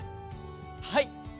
はい。